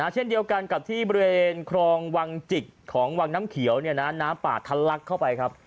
เช่นเดียวกันกับที่บริเวณครองวังจิกของวังน้ำเขียวน้ำปากทัลลักษณ์เข้าไป